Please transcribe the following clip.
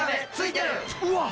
うわっ！